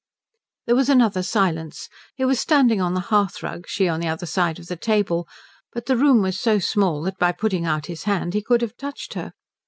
There was another silence. He was standing on the hearthrug, she on the other side of the table; but the room was so small that by putting out his hand he could have touched her.